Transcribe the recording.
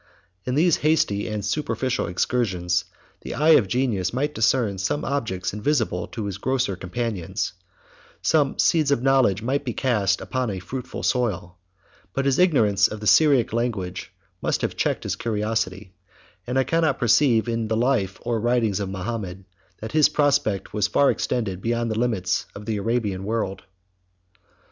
In these hasty and superficial excursions, the eye of genius might discern some objects invisible to his grosser companions; some seeds of knowledge might be cast upon a fruitful soil; but his ignorance of the Syriac language must have checked his curiosity; and I cannot perceive, in the life or writings of Mahomet, that his prospect was far extended beyond the limits of the Arabian world.